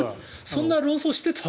そんな論争してた？